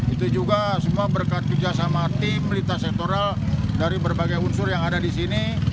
itu juga semua berkat kerjasama tim lintas sektoral dari berbagai unsur yang ada di sini